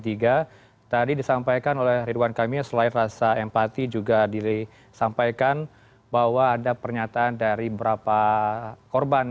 tadi disampaikan oleh ridwan kamil selain rasa empati juga disampaikan bahwa ada pernyataan dari beberapa korban